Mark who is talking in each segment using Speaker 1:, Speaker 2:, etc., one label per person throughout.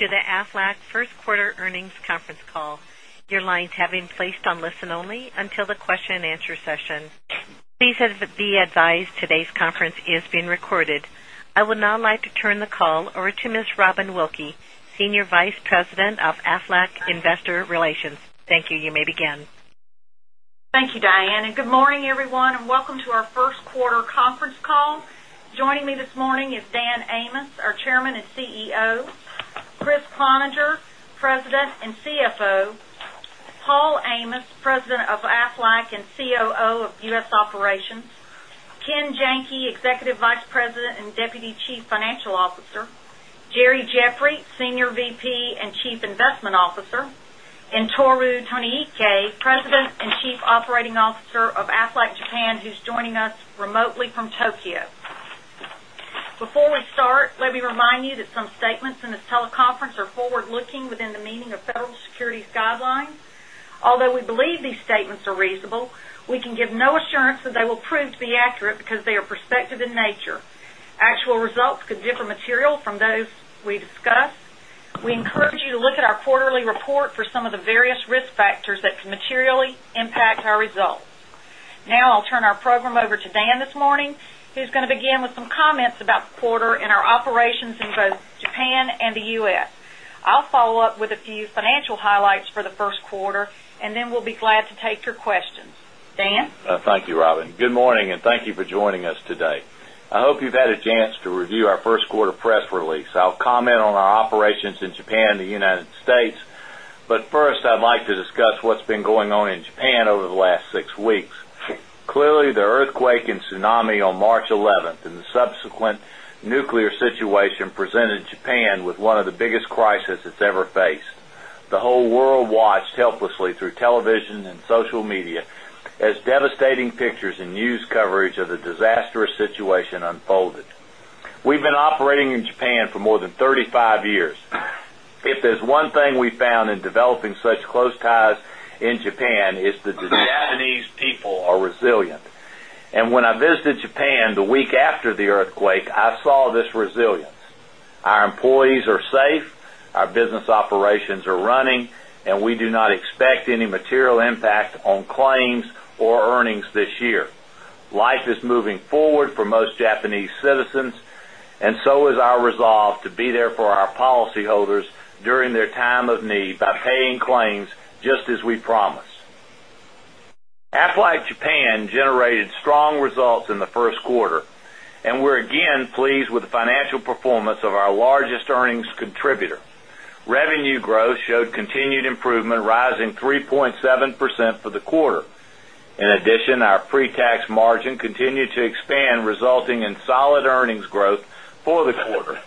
Speaker 1: Welcome to the Aflac first quarter earnings conference call. Your lines have been placed on listen only until the question and answer session. Please be advised today's conference is being recorded. I would now like to turn the call over to Ms. Robin Wilkey, Senior Vice President of Aflac Investor Relations. Thank you. You may begin.
Speaker 2: Thank you, Diane. Good morning, everyone, and welcome to our first quarter conference call. Joining me this morning is Dan Amos, our Chairman and CEO, Kriss Cloninger, President and CFO, Paul Amos, President of Aflac and COO of U.S. Operations, Ken Janke, Executive Vice President and Deputy Chief Financial Officer, Jerry Jeffery, Senior VP and Chief Investment Officer, and Tohru Tonoike, President and Chief Operating Officer of Aflac Japan, who's joining us remotely from Tokyo. Before we start, let me remind you that some statements in this teleconference are forward-looking within the meaning of federal securities guidelines. Although we believe these statements are reasonable, we can give no assurance that they will prove to be accurate because they are prospective in nature. Actual results could differ material from those we discuss. We encourage you to look at our quarterly report for some of the various risk factors that can materially impact our results. I'll turn our program over to Dan this morning, who's going to begin with some comments about the quarter and our operations in both Japan and the U.S. I'll follow up with a few financial highlights for the first quarter, then we'll be glad to take your questions. Dan?
Speaker 3: Thank you, Robin. Good morning, thank you for joining us today. I hope you've had a chance to review our first quarter press release. I'll comment on our operations in Japan and the United States. First, I'd like to discuss what's been going on in Japan over the last six weeks. Clearly, the earthquake and tsunami on March 11th and the subsequent nuclear situation presented Japan with one of the biggest crisis it's ever faced. The whole world watched helplessly through television and social media as devastating pictures and news coverage of the disastrous situation unfolded. We've been operating in Japan for more than 35 years. If there's one thing we found in developing such close ties in Japan, it's that the Japanese people are resilient. When I visited Japan the week after the earthquake, I saw this resilience. Our employees are safe, our business operations are running, and we do not expect any material impact on claims or earnings this year. Life is moving forward for most Japanese citizens, and so is our resolve to be there for our policyholders during their time of need by paying claims just as we promised. Aflac Japan generated strong results in the first quarter, and we're again pleased with the financial performance of our largest earnings contributor. Revenue growth showed continued improvement, rising 3.7% for the quarter. In addition, our pre-tax margin continued to expand, resulting in solid earnings growth for the quarter.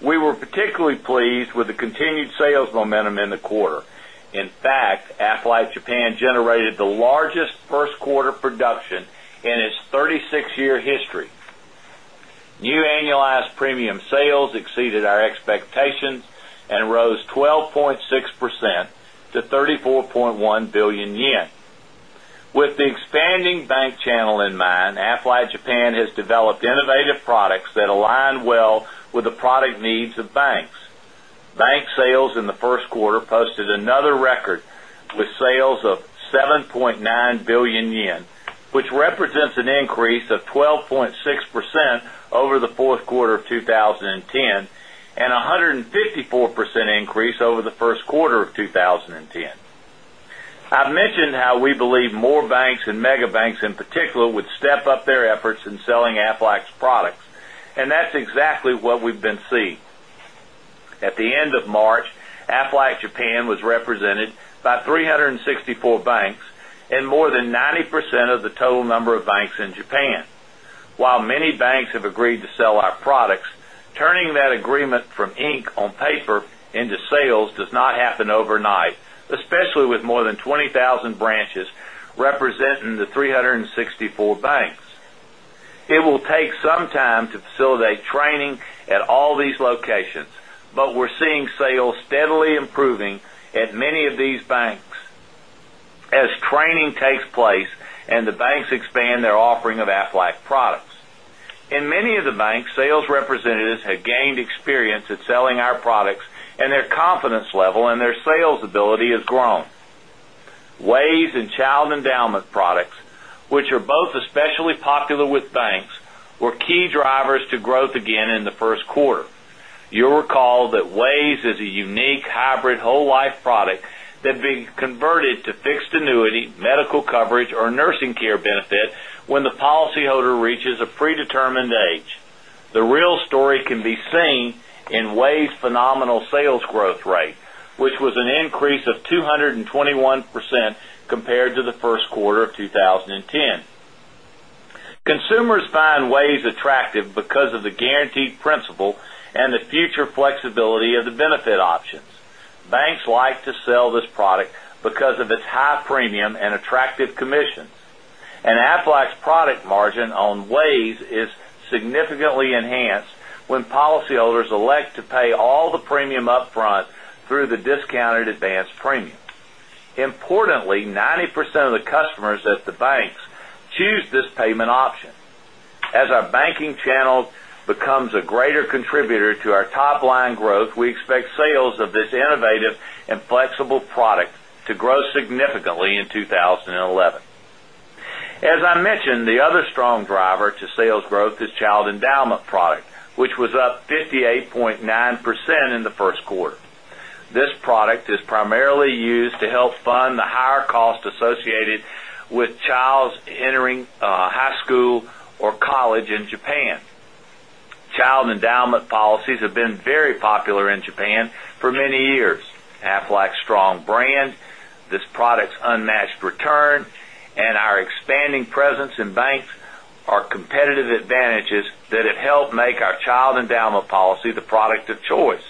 Speaker 3: We were particularly pleased with the continued sales momentum in the quarter. In fact, Aflac Japan generated the largest first quarter production in its 36-year history. New annualized premium sales exceeded our expectations and rose 12.6% to 34.1 billion yen. With the expanding bank channel in mind, Aflac Japan has developed innovative products that align well with the product needs of banks. Bank sales in the first quarter posted another record with sales of 7.9 billion yen, which represents an increase of 12.6% over the fourth quarter of 2010 and 154% increase over the first quarter of 2010. I've mentioned how we believe more banks and mega banks in particular, would step up their efforts in selling Aflac's products. That's exactly what we've been seeing. At the end of March, Aflac Japan was represented by 364 banks and more than 90% of the total number of banks in Japan. While many banks have agreed to sell our products, turning that agreement from ink on paper into sales does not happen overnight, especially with more than 20,000 branches representing the 364 banks. It will take some time to facilitate training at all these locations. We're seeing sales steadily improving at many of these banks as training takes place and the banks expand their offering of Aflac products. In many of the banks, sales representatives have gained experience at selling our products. Their confidence level and their sales ability has grown. WAYS and child endowment products, which are both especially popular with banks, were key drivers to growth again in the first quarter. You'll recall that WAYS is a unique hybrid whole life product that being converted to fixed annuity, medical coverage, or nursing care benefit when the policyholder reaches a predetermined age. The real story can be seen in WAYS' phenomenal sales growth rate, which was an increase of 221% compared to the first quarter of 2010. Consumers find WAYS attractive because of the guaranteed principal and the future flexibility of the benefit options. Banks like to sell this product because of its high premium and attractive commissions. Aflac's product margin on WAYS is significantly enhanced when policyholders elect to pay all the premium upfront through the discounted advanced premium. Importantly, 90% of the customers at the banks choose this payment option. As our banking channel becomes a greater contributor to our top-line growth, we expect sales of this innovative and flexible product to grow significantly in 2011. As I mentioned, the other strong driver to sales growth is child endowment product, which was up 58.9% in the first quarter. This product is primarily used to help fund the higher cost associated with children entering high school or college in Japan. Child endowment policies have been very popular in Japan for many years. Aflac's strong brand, this product's unmatched return, and our expanding presence in banks are competitive advantages that have helped make our child endowment policy the product of choice.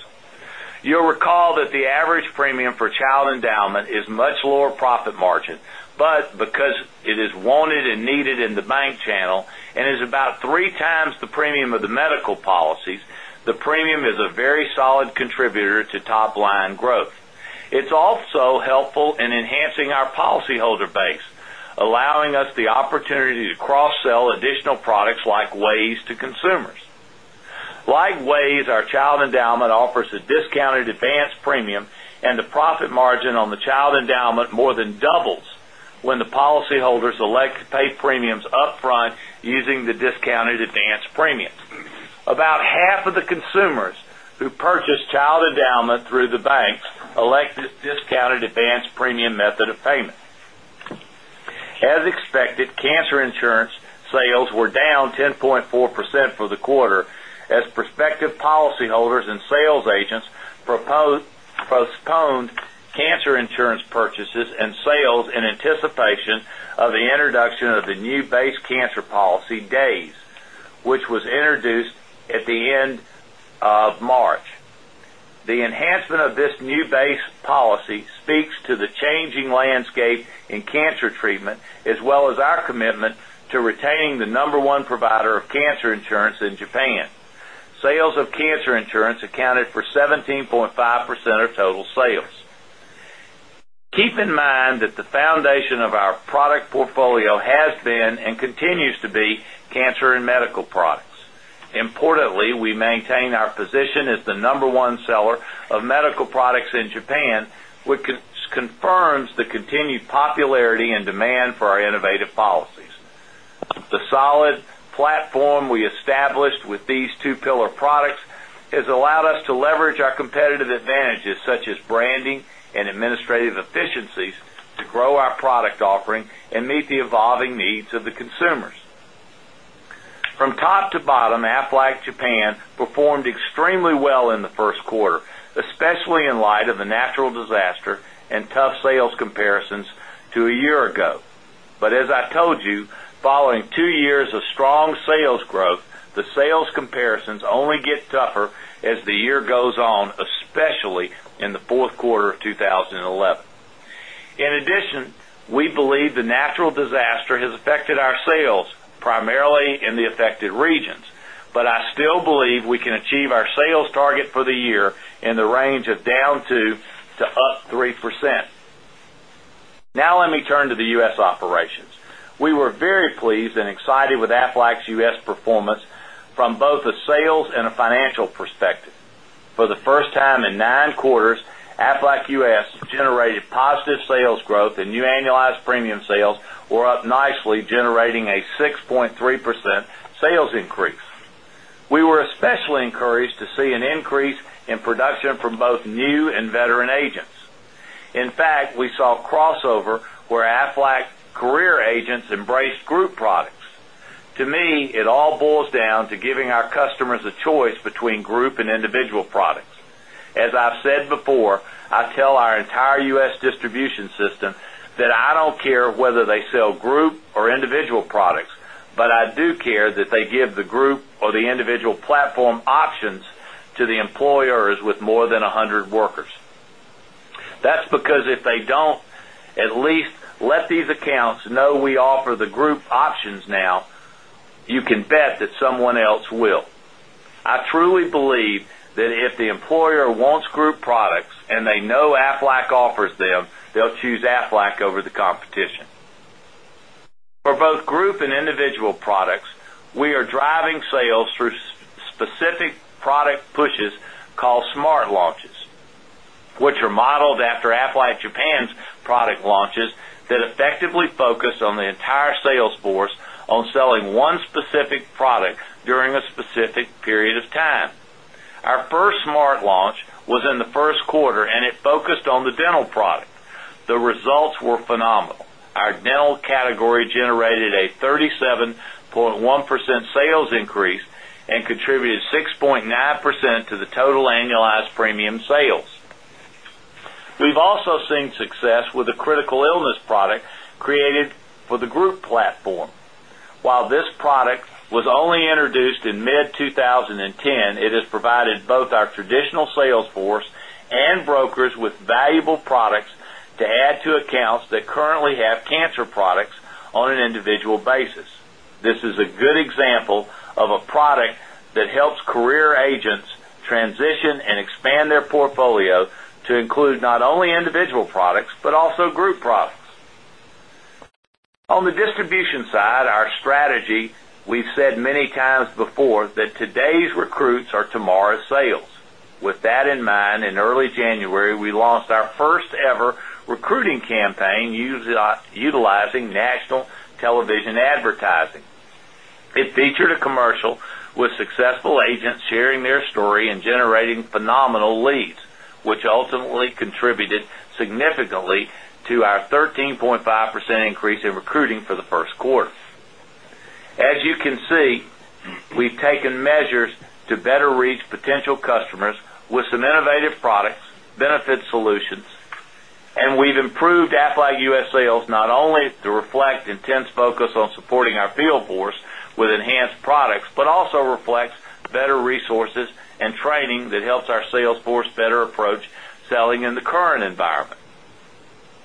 Speaker 3: You'll recall that the average premium for child endowment is much lower profit margin, but because it is wanted and needed in the bank channel and is about three times the premium of the medical policies, the premium is a very solid contributor to top-line growth. It's also helpful in enhancing our policyholder base, allowing us the opportunity to cross-sell additional products like WAYS to consumers. Like WAYS, our child endowment offers a discounted advanced premium, and the profit margin on the child endowment more than doubles when the policyholders elect to pay premiums upfront using the discounted advanced premiums. About half of the consumers who purchase child endowment through the banks elect this discounted advanced premium method of payment. As expected, cancer insurance sales were down 10.4% for the quarter as prospective policyholders and sales agents postponed cancer insurance purchases and sales in anticipation of the introduction of the new base cancer policy, DAYS, which was introduced at the end of March. The enhancement of this new base policy speaks to the changing landscape in cancer treatment, as well as our commitment to retaining the number one provider of cancer insurance in Japan. Sales of cancer insurance accounted for 17.5% of total sales. Keep in mind that the foundation of our product portfolio has been and continues to be cancer and medical products. Importantly, we maintain our position as the number one seller of medical products in Japan, which confirms the continued popularity and demand for our innovative policies. The solid platform we established with these two pillar products has allowed us to leverage our competitive advantages, such as branding and administrative efficiencies, to grow our product offering and meet the evolving needs of the consumers. From top to bottom, Aflac Japan performed extremely well in the first quarter, especially in light of the natural disaster and tough sales comparisons to a year ago. As I told you, following two years of strong sales growth, the sales comparisons only get tougher as the year goes on, especially in the fourth quarter of 2011. In addition, we believe the natural disaster has affected our sales, primarily in the affected regions. I still believe we can achieve our sales target for the year in the range of down 2% to up 3%. Now let me turn to the U.S. operations. We were very pleased and excited with Aflac's U.S. performance from both a sales and a financial perspective. For the first time in nine quarters, Aflac U.S. generated positive sales growth, and new annualized premium sales were up nicely, generating a 6.3% sales increase. We were especially encouraged to see an increase in production from both new and veteran agents. In fact, we saw crossover where Aflac career agents embraced group products. To me, it all boils down to giving our customers a choice between group and individual products. As I've said before, I tell our entire U.S. distribution system that I don't care whether they sell group or individual products. I do care that they give the group or the individual platform options to the employers with more than 100 workers. That's because if they don't at least let these accounts know we offer the group options now, you can bet that someone else will. I truly believe that if the employer wants group products and they know Aflac offers them, they'll choose Aflac over the competition. For both group and individual products, we are driving sales through specific product pushes called smart launches, which are modeled after Aflac Japan's product launches that effectively focus on the entire sales force on selling one specific product during a specific period of time. Our first smart launch was in the first quarter, and it focused on the dental product. The results were phenomenal. Our dental category generated a 37.1% sales increase and contributed 6.9% to the total annualized premium sales. We've also seen success with the critical illness product created for the group platform. While this product was only introduced in mid-2010, it has provided both our traditional sales force and brokers with valuable products to add to accounts that currently have cancer products on an individual basis. This is a good example of a product that helps career agents transition and expand their portfolio to include not only individual products but also group products. On the distribution side, our strategy, we've said many times before that today's recruits are tomorrow's sales. With that in mind, in early January, we launched our first ever recruiting campaign utilizing national television advertising. It featured a commercial with successful agents sharing their story and generating phenomenal leads, which ultimately contributed significantly to our 13.5% increase in recruiting for the first quarter. As you can see, we've taken measures to better reach potential customers with some innovative products, benefit solutions, and we've improved Aflac U.S. sales, not only to reflect intense focus on supporting our field force with enhanced products, but also reflects better resources and training that helps our sales force better approach selling in the current environment.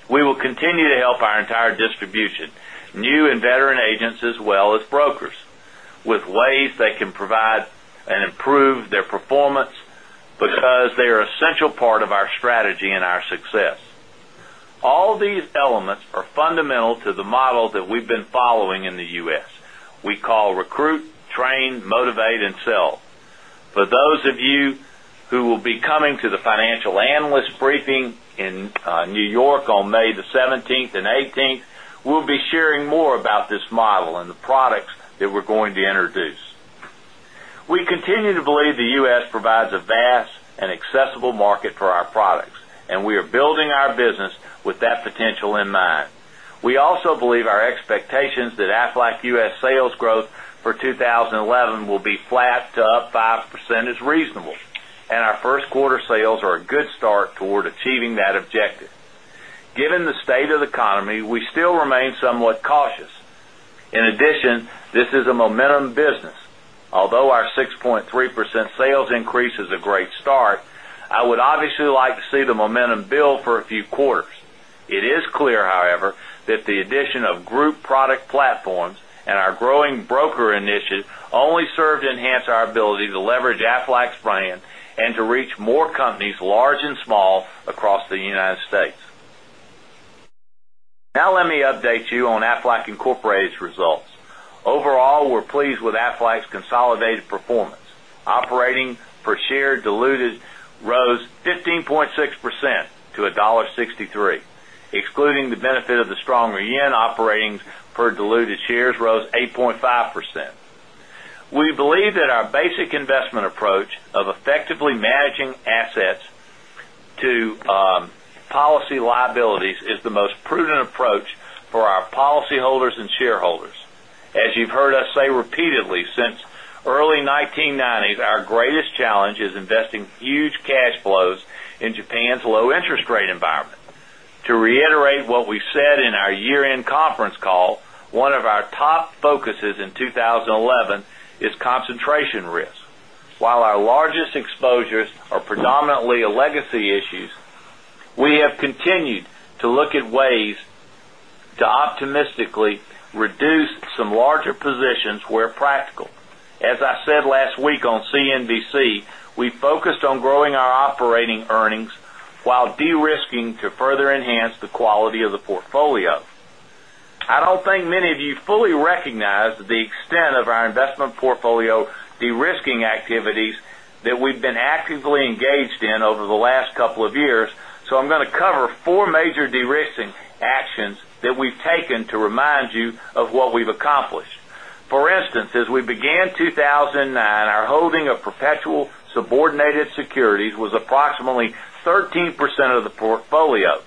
Speaker 3: We will continue to help our entire distribution, new and veteran agents, as well as brokers, with ways they can provide and improve their performance because they're essential part of our strategy and our success. All these elements are fundamental to the model that we've been following in the U.S. We call recruit, train, motivate, and sell. For those of you who will be coming to the financial analyst briefing in New York on May the 17th and 18th, we'll be sharing more about this model and the products that we're going to introduce. We continue to believe the U.S. provides a vast and accessible market for our products, and we are building our business with that potential in mind. We also believe our expectations that Aflac U.S. sales growth for 2011 will be flat to up 5% is reasonable, and our first quarter sales are a good start toward achieving that objective. Given the state of the economy, we still remain somewhat cautious. In addition, this is a momentum business. Although our 6.3% sales increase is a great start, I would obviously like to see the momentum build for a few quarters. It is clear, however, that the addition of group product platforms and our growing broker initiative only serve to enhance our ability to leverage Aflac's brand and to reach more companies, large and small, across the United States. Now let me update you on Aflac Incorporated's results. Overall, we're pleased with Aflac's consolidated performance. Operating per share diluted rose 15.6% to $1.63. Excluding the benefit of the stronger JPY, operating per diluted shares rose 8.5%. We believe that our basic investment approach of effectively managing assets to policy liabilities is the most prudent approach for our policyholders and shareholders. As you've heard us say repeatedly, since early 1990s, our greatest challenge is investing huge cash flows in Japan's low interest rate environment. To reiterate what we said in our year-end conference call, one of our top focuses in 2011 is concentration risk. While our largest exposures are predominantly legacy issues, we have continued to look at ways to optimistically reduce some larger positions where practical. As I said last week on CNBC, we focused on growing our operating earnings while de-risking to further enhance the quality of the portfolio. I don't think many of you fully recognize the extent of our investment portfolio de-risking activities that we've been actively engaged in over the last couple of years, so I'm going to cover four major de-risking actions that we've taken to remind you of what we've accomplished. For instance, as we began 2009, our holding of perpetual subordinated securities was approximately 13% of the portfolio.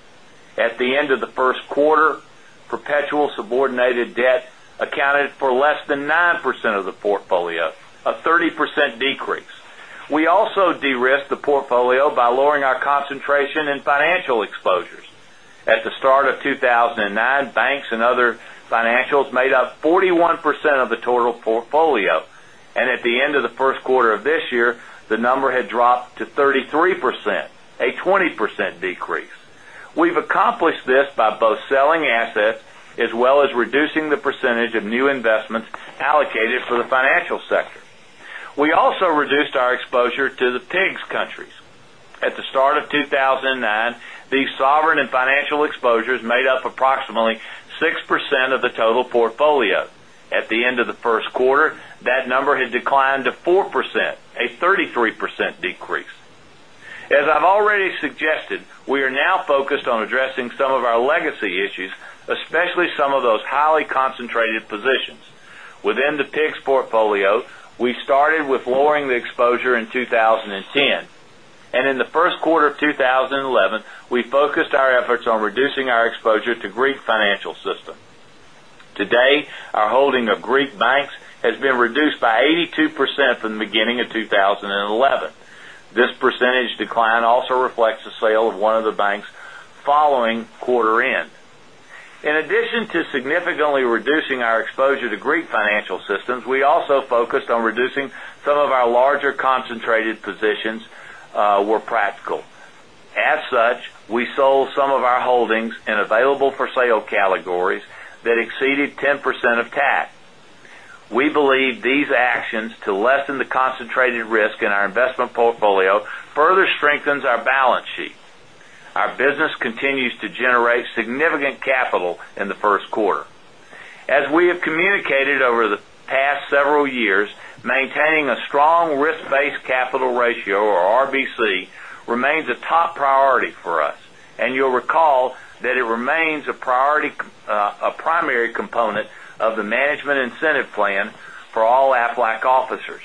Speaker 3: At the end of the first quarter, perpetual subordinated debt accounted for less than 9% of the portfolio, a 30% decrease. We also de-risked the portfolio by lowering our concentration in financial exposures. At the start of 2009, banks and other financials made up 41% of the total portfolio. At the end of the first quarter of this year, the number had dropped to 33%, a 20% decrease. We've accomplished this by both selling assets as well as reducing the percentage of new investments allocated for the financial sector. We also reduced our exposure to the PIIGS countries. At the start of 2009, these sovereign and financial exposures made up approximately 6% of the total portfolio. At the end of the first quarter, that number had declined to 4%, a 33% decrease. As I've already suggested, we are now focused on addressing some of our legacy issues, especially some of those highly concentrated positions. Within the PIIGS portfolio, we started with lowering the exposure in 2010. In the first quarter of 2011, we focused our efforts on reducing our exposure to Greek financial system. Today, our holding of Greek banks has been reduced by 82% from the beginning of 2011. This percentage decline also reflects the sale of one of the banks following quarter end. In addition to significantly reducing our exposure to Greek financial systems, we also focused on reducing some of our larger concentrated positions where practical. As such, we sold some of our holdings in available for sale categories that exceeded 10% of TAC. We believe these actions to lessen the concentrated risk in our investment portfolio further strengthens our balance sheet. Our business continues to generate significant capital in the first quarter. As we have communicated over the past several years, maintaining a strong risk-based capital ratio, or RBC, remains a top priority for us. You'll recall that it remains a primary component of the management incentive plan for all Aflac officers.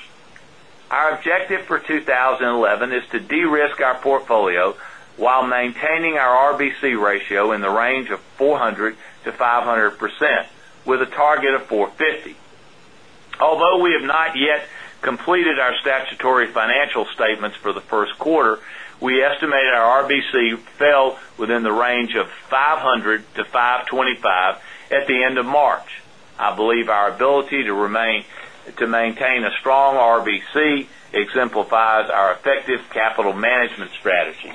Speaker 3: Our objective for 2011 is to de-risk our portfolio while maintaining our RBC ratio in the range of 400%-500%, with a target of 450%. Although we have not yet completed our statutory financial statements for the first quarter, we estimate our RBC fell within the range of 500-525 at the end of March. I believe our ability to maintain a strong RBC exemplifies our effective capital management strategy.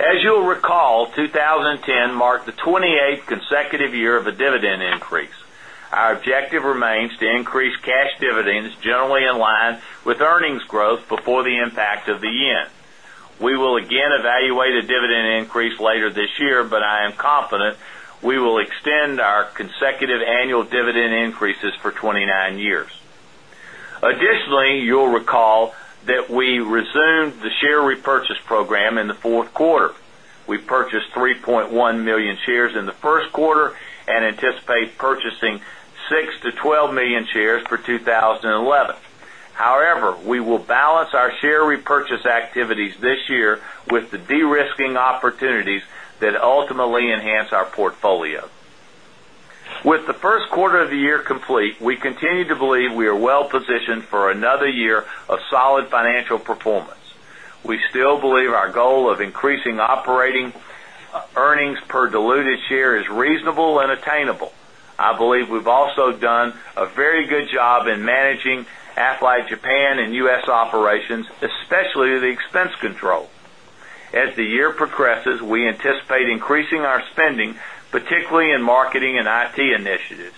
Speaker 3: As you'll recall, 2010 marked the 28th consecutive year of a dividend increase. Our objective remains to increase cash dividends generally in line with earnings growth before the impact of the JPY. We will again evaluate a dividend increase later this year, but I am confident we will extend our consecutive annual dividend increases for 29 years. Additionally, you'll recall that we resumed the share repurchase program in the fourth quarter. We purchased 3.1 million shares in the first quarter and anticipate purchasing 6 million-12 million shares for 2011. However, we will balance our share repurchase activities this year with the de-risking opportunities that ultimately enhance our portfolio. With the first quarter of the year complete, we continue to believe we are well-positioned for another year of solid financial performance. We still believe our goal of increasing operating earnings per diluted share is reasonable and attainable. I believe we've also done a very good job in managing Aflac Japan and U.S. operations, especially the expense control. As the year progresses, we anticipate increasing our spending, particularly in marketing and IT initiatives.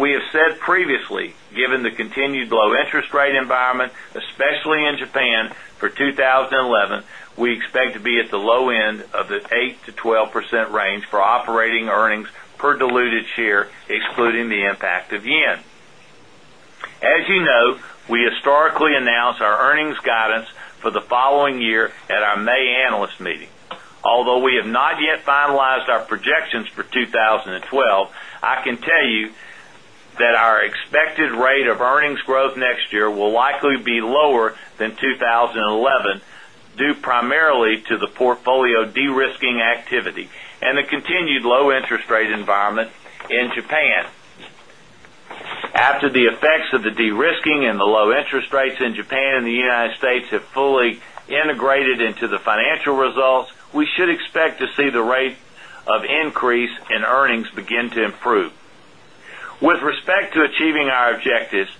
Speaker 3: We have said previously, given the continued low interest rate environment, especially in Japan, for 2011, we expect to be at the low end of the 8%-12% range for operating earnings per diluted share, excluding the impact of JPY. As you know, we historically announce our earnings guidance for the following year at our May analyst meeting. Although we have not yet finalized our projections for 2012, I can tell you that our expected rate of earnings growth next year will likely be lower than 2011, due primarily to the portfolio de-risking activity and the continued low interest rate environment in Japan. After the effects of the de-risking and the low interest rates in Japan and the United States have fully integrated into the financial results, we should expect to see the rate of increase in earnings begin to improve. With respect to achieving our objectives,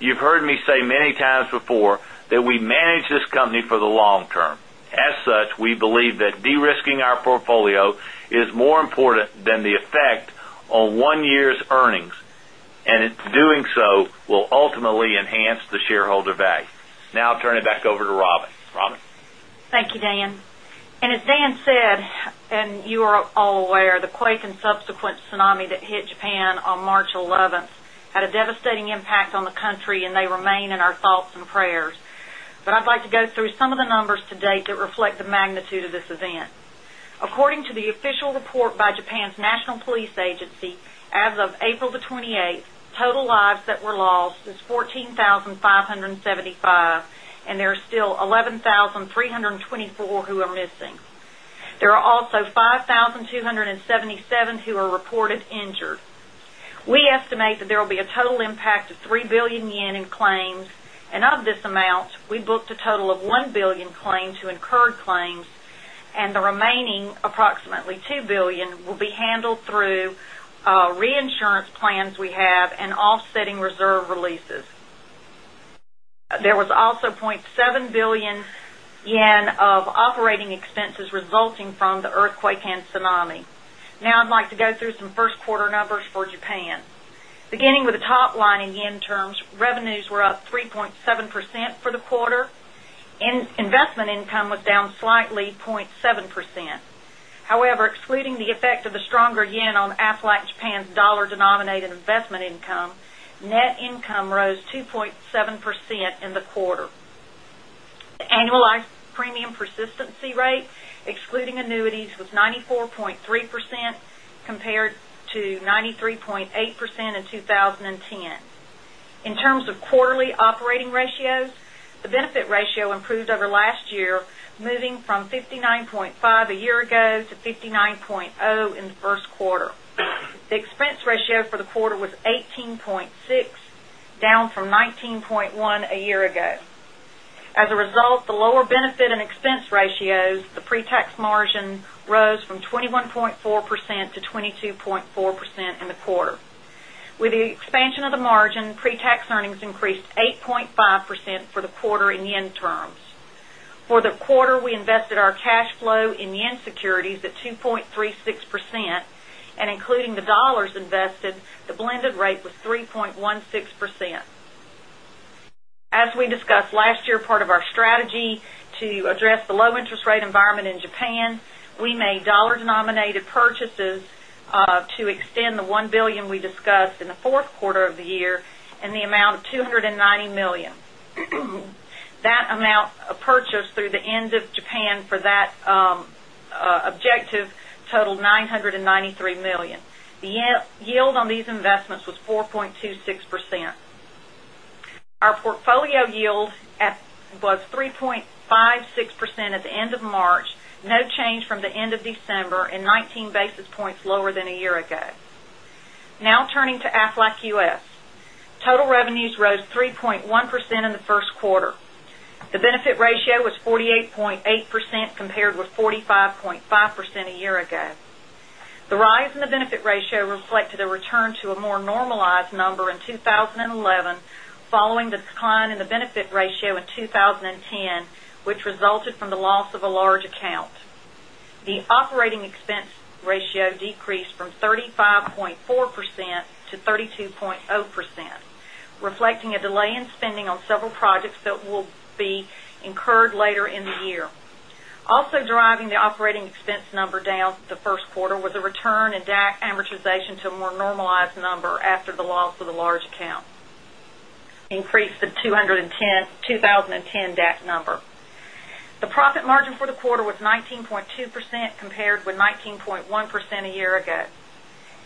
Speaker 3: you've heard me say many times before that we manage this company for the long term. As such, we believe that de-risking our portfolio is more important than the effect on one year's earnings, and in doing so will ultimately enhance the shareholder value. I'll turn it back over to Robin. Robin?
Speaker 2: Thank you, Dan. As Dan said, you are all aware, the quake and subsequent tsunami that hit Japan on March 11th had a devastating impact on the country, and they remain in our thoughts and prayers. I'd like to go through some of the numbers to date that reflect the magnitude of this event. According to the official report by Japan's National Police Agency, as of April 28th, total lives that were lost is 14,575, and there are still 11,324 who are missing. There are also 5,277 who are reported injured. We estimate that there will be a total impact of 3 billion yen in claims, and of this amount, we booked a total of 1 billion claims to incurred claims, and the remaining, approximately 2 billion, will be handled through reinsurance plans we have and offsetting reserve releases. There was also JPY 0.7 billion of operating expenses resulting from the earthquake and tsunami. I'd like to go through some first quarter numbers for Japan. Beginning with the top line in JPY terms, revenues were up 3.7% for the quarter. Investment income was down slightly, 0.7%. However, excluding the effect of the stronger JPY on Aflac Japan's USD-denominated investment income, net income rose 2.7% in the quarter. The annualized premium persistency rate, excluding annuities, was 94.3%, compared to 93.8% in 2010. In terms of quarterly operating ratios, the benefit ratio improved over last year, moving from 59.5% a year ago to 59.0% in the first quarter. The expense ratio for the quarter was 18.6%, down from 19.1% a year ago. As a result of the lower benefit and expense ratios, the pre-tax margin rose from 21.4% to 22.4% in the quarter. With the expansion of the margin, pre-tax earnings increased 8.5% for the quarter in JPY terms. For the quarter, we invested our cash flow in JPY securities at 2.36%, and including the USD invested, the blended rate was 3.16%. As we discussed last year, part of our strategy to address the low interest rate environment in Japan, we made USD-denominated purchases to extend the $1 billion we discussed in the fourth quarter of the year in the amount of $290 million. That amount of purchase through the end of Japan for that objective totaled $993 million. The yield on these investments was 4.26%. Our portfolio yield was 3.56% at the end of March, no change from the end of December and 19 basis points lower than a year ago. Turning to Aflac U.S. Total revenues rose 3.1% in the first quarter. The benefit ratio was 48.8%, compared with 45.5% a year ago. The rise in the benefit ratio reflected a return to a more normalized number in 2011, following the decline in the benefit ratio in 2010, which resulted from the loss of a large account. The operating expense ratio decreased from 35.4% to 32.0%, reflecting a delay in spending on several projects that will be incurred later in the year. Also driving the operating expense number down the first quarter was a return in DAC amortization to a more normalized number after the loss of the large account, increased the 2010 DAC number. The profit margin for the quarter was 19.2%, compared with 19.1% a year ago.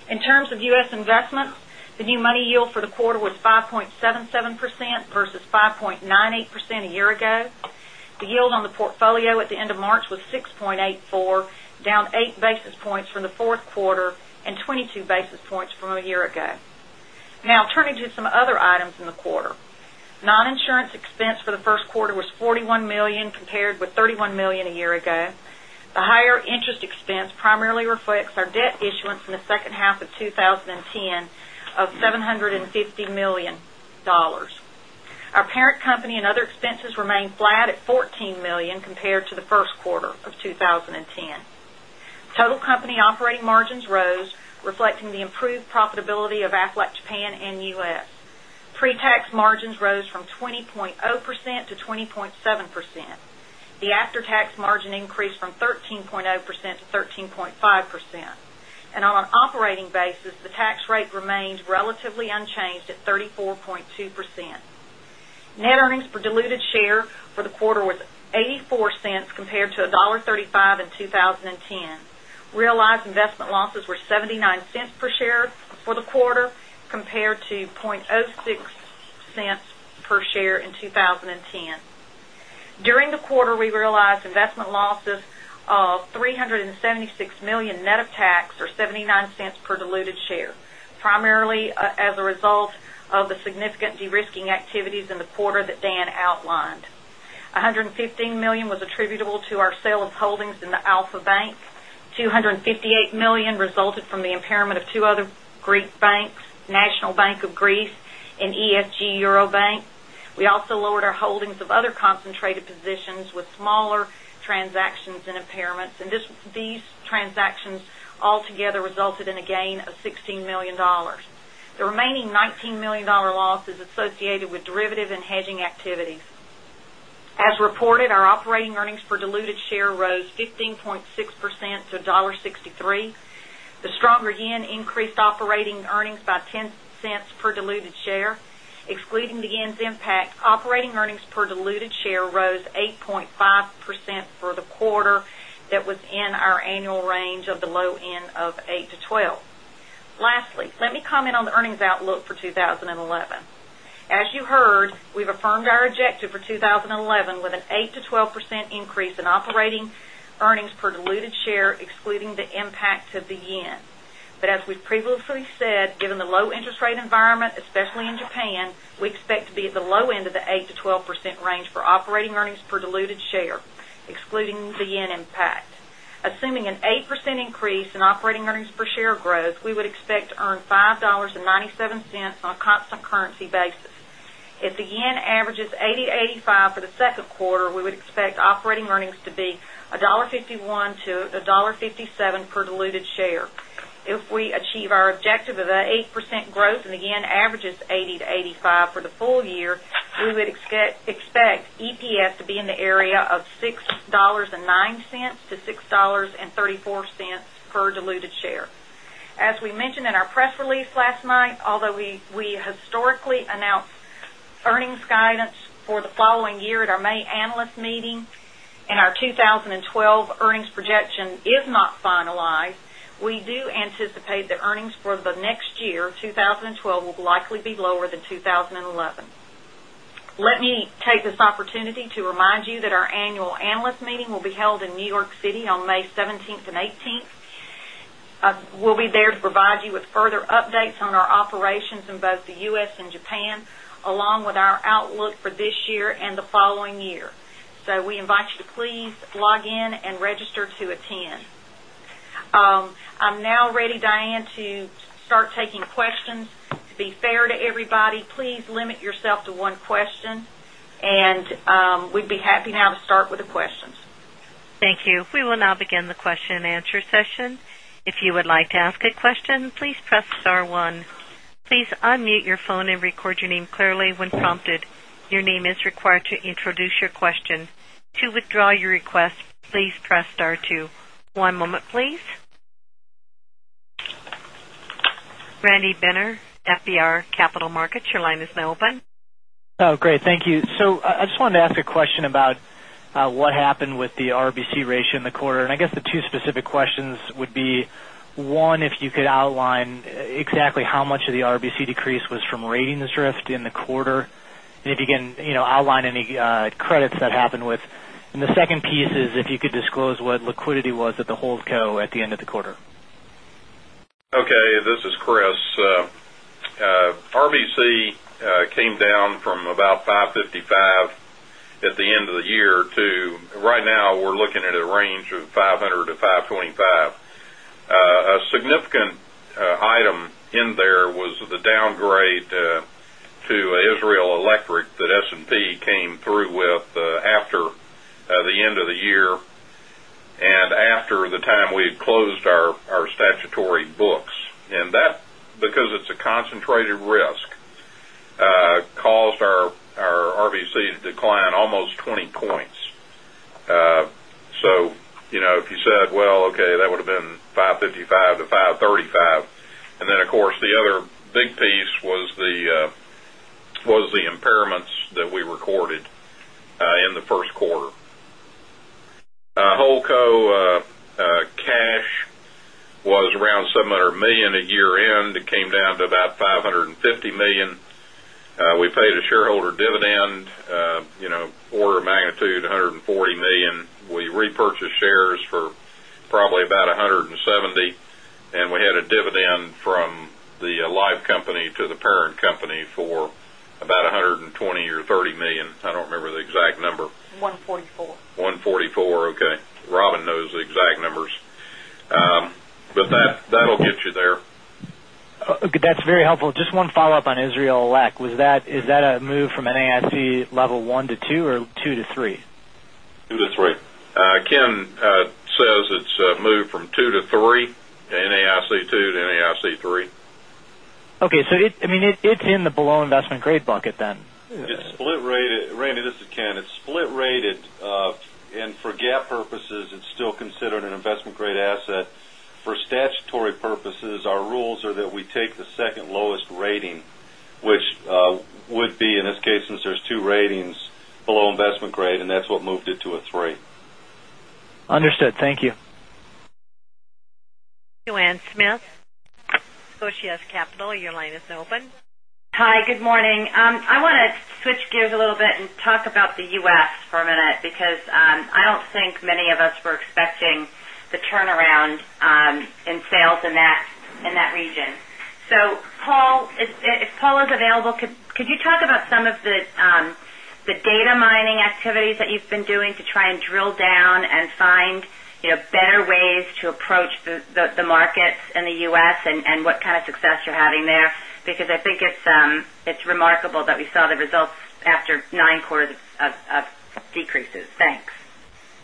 Speaker 2: In terms of U.S. investments, the new money yield for the quarter was 5.77% versus 5.98% a year ago. The yield on the portfolio at the end of March was 6.84%, down eight basis points from the fourth quarter and 22 basis points from a year ago. Turning to some other items in the quarter. Non-insurance expense for the first quarter was $41 million, compared with $31 million a year ago. The higher interest expense primarily reflects our debt issuance in the second half of 2010 of $750 million. Our parent company and other expenses remained flat at $14 million compared to the first quarter of 2010. Total company operating margins rose, reflecting the improved profitability of Aflac Japan and U.S. Pre-tax margins rose from 20.0% to 20.7%. The after-tax margin increased from 13.0% to 13.5%. On an operating basis, the tax rate remains relatively unchanged at 34.2%. Net earnings per diluted share for the quarter was $0.84 compared to $1.35 in 2010. Realized investment losses were $0.79 per share for the quarter compared to $0.0006 per share in 2010. During the quarter, we realized investment losses of $376 million net of tax, or $0.79 per diluted share, primarily as a result of the significant de-risking activities in the quarter that Dan outlined. $115 million was attributable to our sale of holdings in the Alpha Bank, $258 million resulted from the impairment of two other Greek banks, National Bank of Greece and Eurobank Ergasias. We also lowered our holdings of other concentrated positions with smaller transactions and impairments. These transactions altogether resulted in a gain of $16 million. The remaining $19 million loss is associated with derivative and hedging activities. As reported, our operating earnings per diluted share rose 15.6% to $1.63. The stronger yen increased operating earnings by $0.10 per diluted share. Excluding the yen's impact, operating earnings per diluted share rose 8.5% for the quarter. That was in our annual range of the low end of 8%-12%. Lastly, let me comment on the earnings outlook for 2011. As you heard, we've affirmed our objective for 2011 with an 8%-12% increase in operating earnings per diluted share, excluding the impact of the yen. As we've previously said, given the low interest rate environment, especially in Japan, we expect to be at the low end of the 8%-12% range for operating earnings per diluted share, excluding the yen impact. Assuming an 8% increase in operating earnings per share growth, we would expect to earn $5.97 on a constant currency basis. If the yen averages 80-85 for the second quarter, we would expect operating earnings to be $1.51-$1.57 per diluted share. If we achieve our objective of that 8% growth and the yen averages 80-85 for the full year, we would expect EPS to be in the area of $6.09-$6.34 per diluted share. As we mentioned in our press release last night, although we historically announce earnings guidance for the following year at our May analyst meeting and our 2012 earnings projection is not finalized, we do anticipate that earnings for the next year, 2012, will likely be lower than 2011. Let me take this opportunity to remind you that our annual analyst meeting will be held in New York City on May 17th and 18th. We'll be there to provide you with further updates on our operations in both the U.S. and Japan, along with our outlook for this year and the following year. We invite you to please log in and register to attend. I'm now ready, Diane, to start taking questions. To be fair to everybody, please limit yourself to one question. We'd be happy now to start with the questions.
Speaker 1: Thank you. We will now begin the question and answer session. If you would like to ask a question, please press star one. Please unmute your phone and record your name clearly when prompted. Your name is required to introduce your question. To withdraw your request, please press star two. One moment, please. Randy Binner, FBR Capital Markets, your line is now open.
Speaker 4: Great. Thank you. I just wanted to ask a question about what happened with the RBC ratio in the quarter. I guess the two specific questions would be, one, if you could outline exactly how much of the RBC decrease was from ratings drift in the quarter. If you can outline any credits that happened with. The second piece is if you could disclose what liquidity was at the HoldCo at the end of the quarter.
Speaker 5: Okay, this is Kriss. RBC came down from about 555 at the end of the year to right now we're looking at a range of 500 to 525. A significant item in there was the downgrade to Israel Electric that S&P came through with after the end of the year and after the time we had closed our statutory books. That, because it's a concentrated risk, caused our RBC to decline almost 20 points. If you said, well, okay, that would've been 555 to 535. Then, of course, the other big piece was the impairments that we recorded in the first quarter. HoldCo cash was around $700 million at year-end. It came down to about $550 million. We paid a shareholder dividend, order of magnitude, $140 million. We repurchased shares for probably about $170, and we had a dividend from the life company to the parent company for about $120 million or $130 million. I don't remember the exact number.
Speaker 2: $144.
Speaker 5: $144. Okay. Robin knows the exact numbers. That'll get you there.
Speaker 4: Okay. That's very helpful. Just one follow-up on Israel Elec. Is that a move from NAIC level 1 to 2 or 2 to 3?
Speaker 5: 2 to 3. Ken says it's moved from 2 to 3. NAIC 2 to NAIC 3.
Speaker 4: Okay. It's in the below investment grade bucket then?
Speaker 6: Randy, this is Ken. It's split rated. For GAAP purposes, it's still considered an investment grade asset. For statutory purposes, our rules are that we take the second lowest rating, which would be, in this case, since there's two ratings below investment grade, that's what moved it to a 3.
Speaker 4: Understood. Thank you.
Speaker 1: Joanne Smith, Scotia Capital, your line is open.
Speaker 7: Hi, good morning. I want to switch gears a little bit and talk about the U.S. for a minute because I don't think many of us were expecting the turnaround in sales in that region. If Paul is available, could you talk about some of the data mining activities that you've been doing to try and drill down and find better ways to approach the markets in the U.S. and what kind of success you're having there? I think it's remarkable that we saw the results after nine quarters of decreases. Thanks.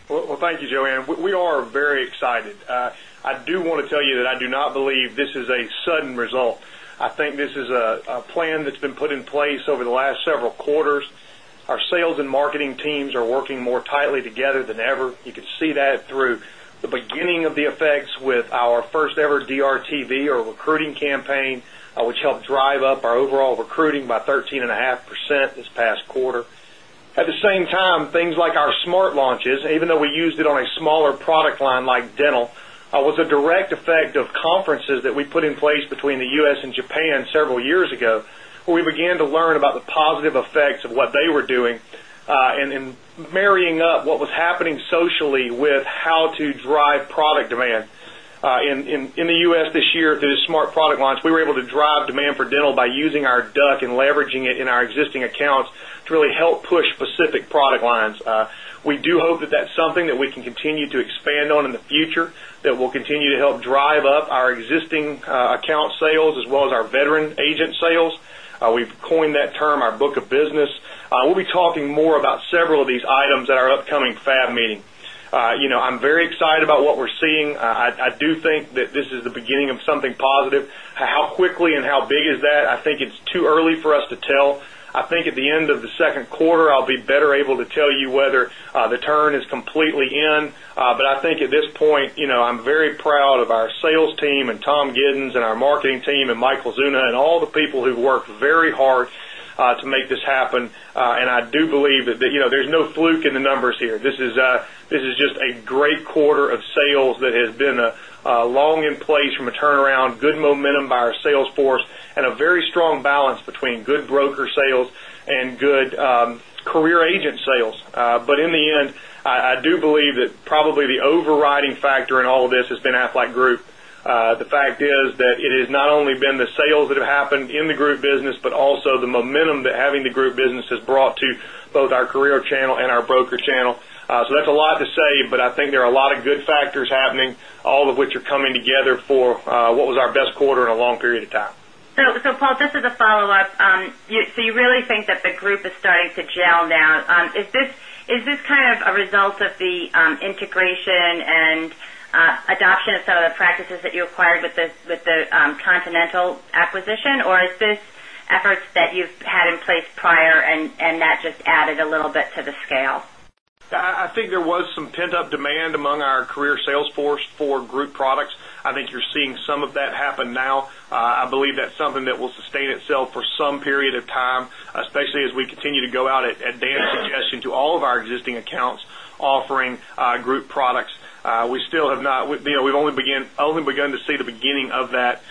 Speaker 8: Well, thank you, Joanne. We are very excited. I do want to tell you that I do not believe this is a sudden result. I think this is a plan that's been put in place over the last several quarters. Our sales and marketing teams are working more tightly together than ever. You can see that through the beginning of the effects with our first ever DRTV or recruiting campaign, which helped drive up our overall recruiting by 13.5% this past quarter. At the same time, things like our smart launches, even though we used it on a smaller product line like dental, was a direct effect of conferences that we put in place between the U.S. and Japan several years ago, where we began to learn about the positive effects of what they were doing, and marrying up what was happening socially with how to drive product demand. In the U.S. this year, through the smart product launch, we were able to drive demand for dental by using our duck and leveraging it in our existing accounts to really help push specific product lines. We do hope that that's something that we can continue to expand on in the future, that will continue to help drive up our existing account sales as well as our veteran agent sales. We've coined that term our book of business. We'll be talking more about several of these items at our upcoming FAB meeting. I'm very excited about what we're seeing. I do think that this is the beginning of something positive. How quickly and how big is that? I think it's too early for us to tell. I think at the end of the second quarter, I'll be better able to tell you whether the turn is completely in. I think at this point, I'm very proud of our sales team and Tom Giddens and our marketing team and Mike Zuna and all the people who've worked very hard to make this happen. I do believe that there's no fluke in the numbers here. This is just a great quarter of sales that has been long in place from a turnaround, good momentum by our sales force, and a very strong balance between good broker sales and good career agent sales. In the end, I do believe that probably the overriding factor in all of this has been Aflac Group. The fact is that it has not only been the sales that have happened in the group business, but also the momentum that having the group business has brought to both our career channel and our broker channel. That's a lot to say, but I think there are a lot of good factors happening, all of which are coming together for what was our best quarter in a long period of time.
Speaker 7: Paul, just as a follow-up, so you really think that the group is starting to gel now. Is this a result of the integration and adoption of some of the practices that you acquired with the Continental acquisition? Or is this efforts that you've had in place prior, and that just added a little bit to the scale?
Speaker 8: I think there was some pent-up demand among our career sales force for group products. I think you're seeing some of that happen now. I believe that's something that will sustain itself for some period of time, especially as we continue to go out, at Dan's suggestion, to all of our existing accounts offering group products. We've only begun to see the beginning of that.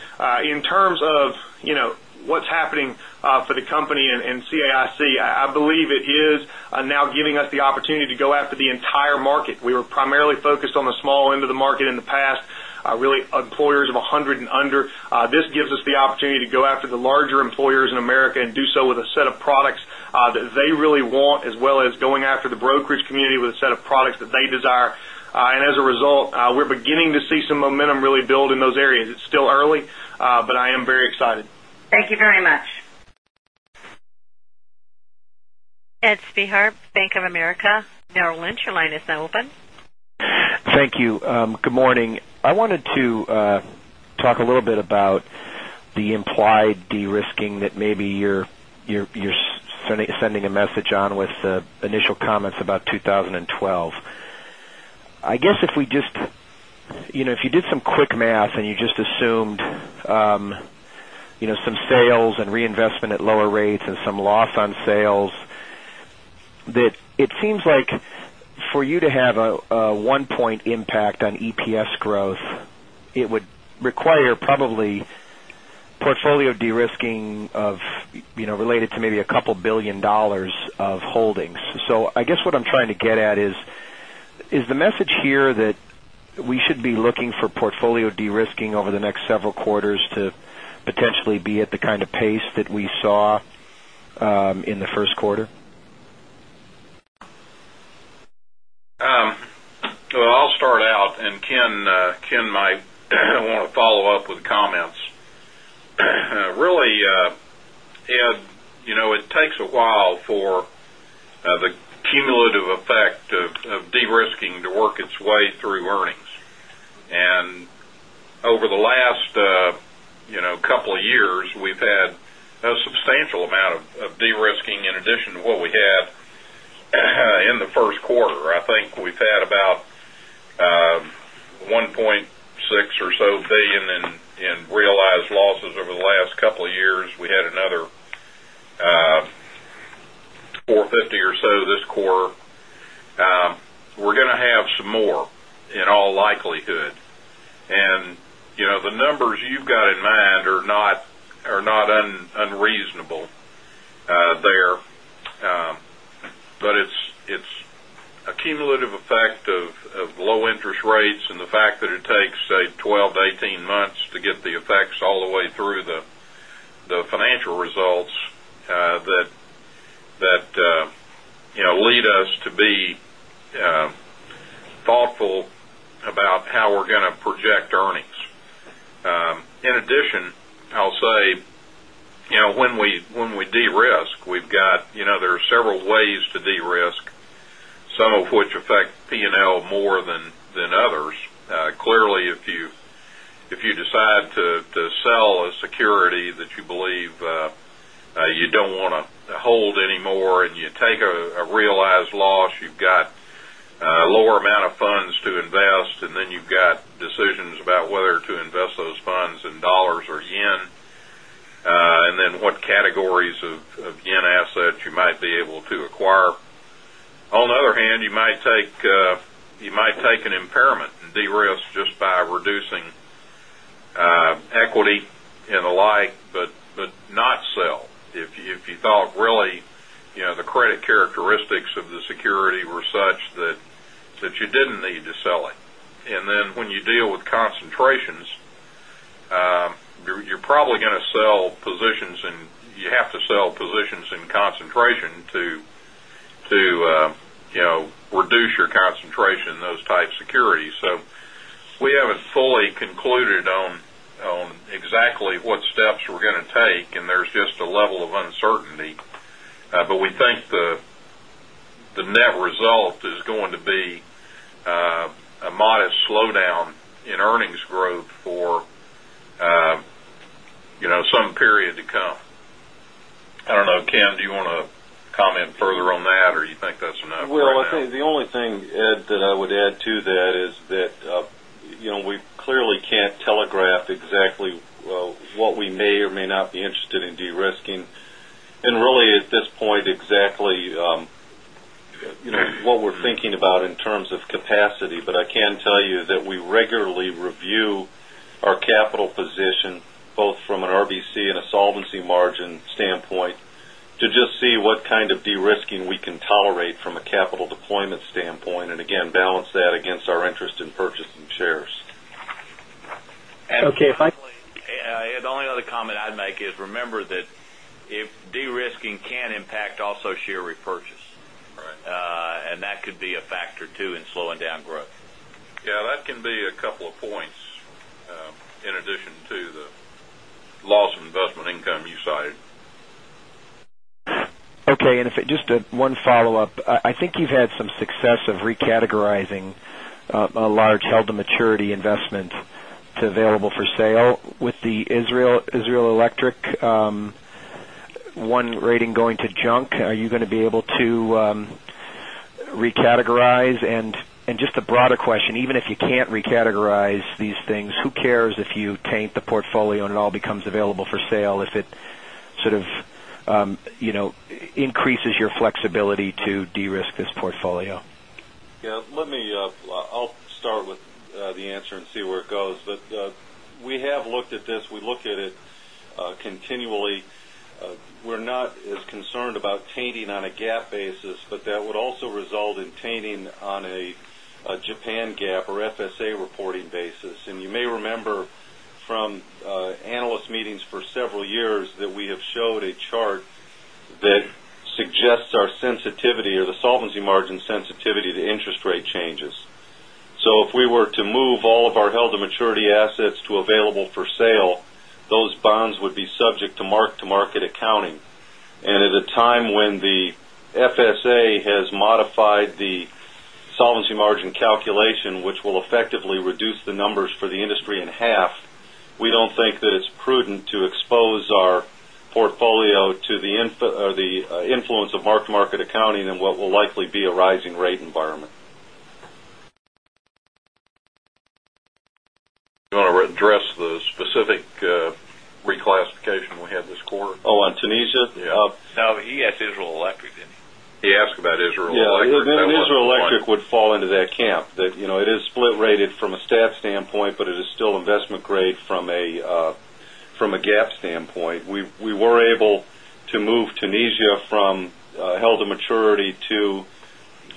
Speaker 8: In terms of what's happening for the company and CAIC, I believe it is now giving us the opportunity to go after the entire market. We were primarily focused on the small end of the market in the past, really employers of 100 and under. This gives us the opportunity to go after the larger employers in America and do so with a set of products that they really want, as well as going after the brokerage community with a set of products that they desire. As a result, we're beginning to see some momentum really build in those areas. It's still early, but I am very excited.
Speaker 7: Thank you very much.
Speaker 1: Edward Spehar, Bank of America, Merrill Lynch, your line is now open.
Speaker 9: Thank you. Good morning. I wanted to talk a little bit about the implied de-risking that maybe you're sending a message on with the initial comments about 2012. I guess if you did some quick math and you just assumed some sales and reinvestment at lower rates and some loss on sales, that it seems like for you to have a one-point impact on EPS growth, it would require probably portfolio de-risking related to maybe $2 billion of holdings. I guess what I'm trying to get at is the message here that we should be looking for portfolio de-risking over the next several quarters to potentially be at the kind of pace that we saw in the first quarter?
Speaker 5: Well, I'll start out, and Ken might want to follow up with comments. Really, Ed, it takes a while for the cumulative effect of de-risking to work its way through earnings. Over the last couple of years, we've had a substantial amount of de-risking in addition to what we had in the first quarter. I think we've had about $1.6 billion in realized losses over the last couple of years. We had another $450 million this quarter. We're going to have some more in all likelihood. The numbers you've got in mind are not unreasonable there. It's a cumulative effect of low interest rates and the fact that it takes, say, 12 to 18 months to get the effects all the way through the financial results that lead us to be thoughtful about how we're going to project earnings. In addition, I'll say, when we de-risk, there are several ways to de-risk, some of which affect P&L more than others. Clearly, if you decide to sell a security that you believe you don't want to hold anymore, and you take a realized loss, you've got a lower amount of funds to invest, and then you've got decisions about whether to invest those funds in dollars or yen, and then what categories of yen assets you might be able to acquire. On the other hand, you might take an impairment and de-risk just by reducing equity and the like, but not sell if you thought really the credit characteristics of the security were such that you didn't need to sell it. When you deal with concentrations, you're probably going to sell positions, and you have to sell positions in concentration to reduce your concentration in those type securities. We haven't fully concluded on exactly what steps we're going to take, and there's just a level of uncertainty. We think the net result is going to be a modest slowdown in earnings growth for some period to come. I don't know, Ken, do you want to comment further on that, or you think that's enough right now?
Speaker 6: Well, I think the only thing, Ed, that I would add to that is that we clearly can't telegraph exactly what we may or may not be interested in de-risking. Really at this point, exactly what we're thinking about in terms of capacity. I can tell you that we regularly review our capital position, both from an RBC and a solvency margin standpoint To just see what kind of de-risking we can tolerate from a capital deployment standpoint, again, balance that against our interest in purchasing shares.
Speaker 9: Okay.
Speaker 6: The only other comment I'd make is, remember that de-risking can impact also share repurchase.
Speaker 5: Right.
Speaker 6: That could be a factor, too, in slowing down growth.
Speaker 5: Yeah, that can be a couple of points, in addition to the loss of investment income you cited.
Speaker 9: Okay. If it just one follow-up, I think you've had some success of recategorizing a large held-to-maturity investment to available for sale with the Israel Electric one rating going to junk. Are you going to be able to recategorize? Just a broader question, even if you can't recategorize these things, who cares if you taint the portfolio and it all becomes available for sale, if it sort of increases your flexibility to de-risk this portfolio?
Speaker 6: Yeah. I'll start with the answer and see where it goes. We have looked at this. We look at it continually. We're not as concerned about tainting on a GAAP basis, but that would also result in tainting on a Japan GAAP or FSA reporting basis. You may remember from analyst meetings for several years that we have showed a chart that suggests our sensitivity or the solvency margin sensitivity to interest rate changes. If we were to move all of our held-to-maturity assets to available-for-sale, those bonds would be subject to mark-to-market accounting. At a time when the FSA has modified the solvency margin calculation, which will effectively reduce the numbers for the industry in half, we don't think that it's prudent to expose our portfolio to the influence of mark-to-market accounting in what will likely be a rising rate environment.
Speaker 5: You want to address the specific reclassification we had this quarter?
Speaker 6: Oh, on Tunisia?
Speaker 5: Yeah.
Speaker 6: No, he asked Israel Electric, didn't he?
Speaker 5: He asked about Israel Electric.
Speaker 6: Yeah. Israel Electric would fall into that camp. That it is split rated from a stat standpoint, but it is still investment grade from a GAAP standpoint. We were able to move Tunisia from held-to-maturity to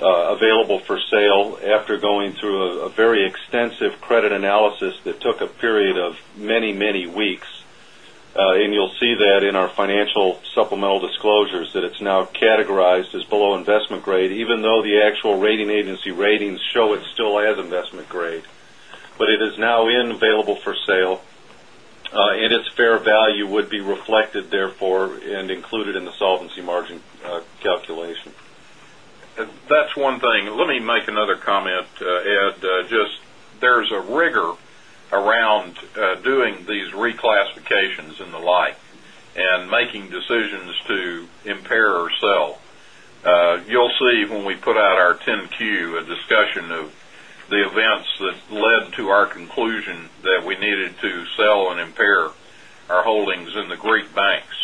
Speaker 6: available-for-sale after going through a very extensive credit analysis that took a period of many, many weeks. You'll see that in our financial supplemental disclosures, that it's now categorized as below investment grade, even though the actual rating agency ratings show it still as investment grade. It is now in available-for-sale, and its fair value would be reflected therefore and included in the solvency margin calculation.
Speaker 5: That's one thing. Let me make another comment, Ed. There's a rigor around doing these reclassifications and the like, and making decisions to impair or sell. You'll see when we put out our 10-Q, a discussion of the events that led to our conclusion that we needed to sell and impair our holdings in the Greek banks.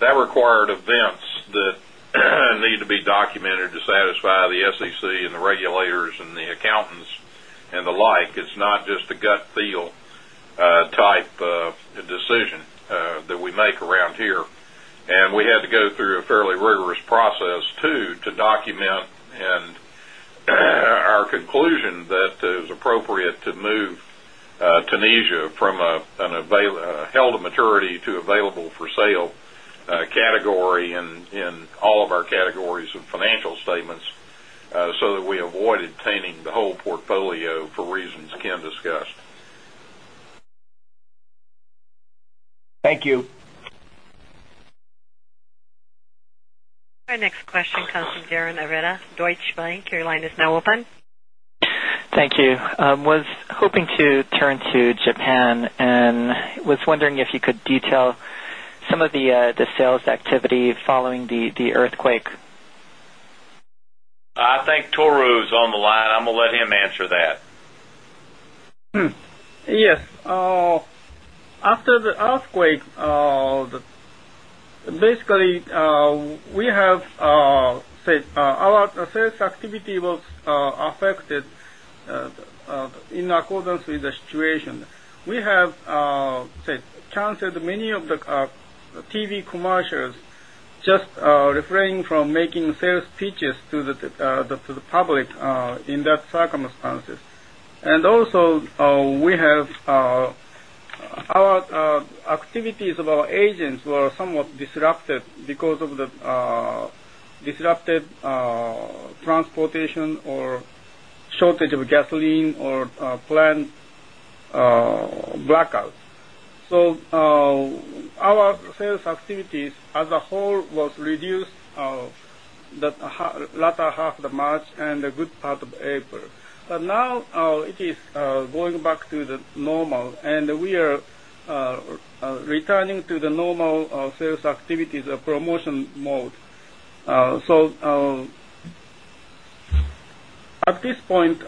Speaker 5: That required events that need to be documented to satisfy the SEC and the regulators and the accountants and the like. It's not just a gut feel type of decision that we make around here. We had to go through a fairly rigorous process, too, to document and our conclusion that it was appropriate to move Tunisia from a held-to-maturity to available-for-sale category in all of our categories of financial statements, so that we avoided tainting the whole portfolio for reasons Ken discussed.
Speaker 9: Thank you.
Speaker 1: Our next question comes from Darren Ereth, Deutsche Bank. Your line is now open.
Speaker 10: Thank you. I was hoping to turn to Japan, was wondering if you could detail some of the sales activity following the earthquake.
Speaker 5: I think Tohru is on the line. I'm going to let him answer that.
Speaker 11: Yes. After the earthquake, basically, our sales activity was affected in accordance with the situation. We have canceled many of the TV commercials, just refraining from making sales pitches to the public in that circumstances. Also, activities of our agents were somewhat disrupted because of the disrupted transportation or shortage of gasoline or planned blackouts. Our sales activities as a whole was reduced the latter half of March and a good part of April. Now it is going back to the normal, and we are returning to the normal sales activities promotion mode. At this point,